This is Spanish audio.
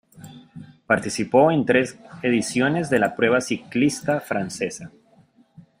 Participó en tres ediciones de la prueba ciclista francesa.